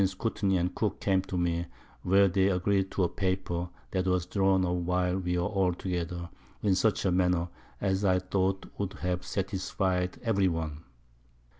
Courtney and Cooke came to me, where they agreed to a Paper that was drawn up while we were all together, in such a Manner as I thought would have satisfied every one.